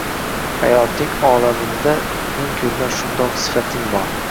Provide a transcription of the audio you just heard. Hayoting olaminda men koʻrgan shundoq sifoting bor: